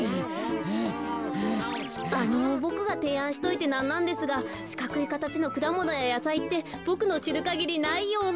あのボクがていあんしといてなんなんですがしかくいかたちのくだものややさいってボクのしるかぎりないような。